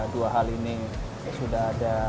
dua hal ini sudah ada